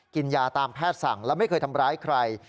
กินยาตามแพทย์สั่งและไม่เคยทำร้ายใคร